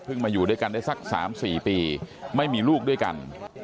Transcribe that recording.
มาอยู่ด้วยกันได้สัก๓๔ปีไม่มีลูกด้วยกัน